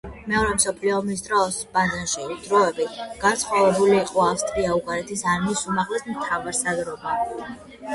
მეორე მსოფლიო ომის დროს, ბადენში დროებით განთავსებული იყო ავსტრია-უნგრეთის არმიის უმაღლესი მთავარსარდლობა.